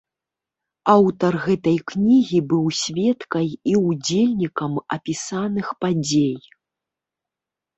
Аўтар гэтай кнігі быў сведкай і ўдзельнікам апісаных падзей.